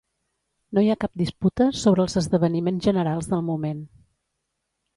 No hi ha cap disputa sobre els esdeveniments generals del moment.